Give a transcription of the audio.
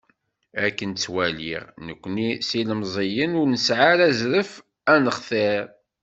Akken ttwaliɣ, nekni s yilemẓiyen, ur nesɛi ara azref ad nextir.